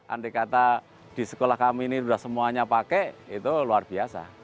andai kata di sekolah kami ini sudah semuanya pakai itu luar biasa